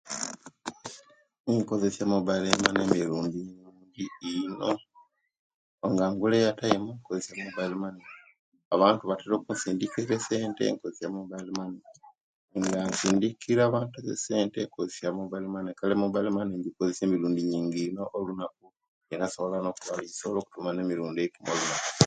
Nkozesa mobailo mane emirudi eino nga ngula eyataimu nkozesa mobailo mane, abantu batira okusindikira essente nkozesa mobailo mane, nsindikira abantu essente nkozesa mobailo mane, kale mobailo mane injikozesa emirundi nyingi ino olunaku era nsobola okutuma emirundi eikuni olunaku